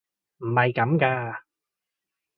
唔係咁㗎！